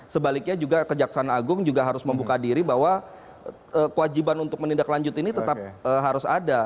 sebaliknya juga ke jaksa agung juga harus membuka diri bahwa kewajiban untuk menindak lanjut ini tetap harus ada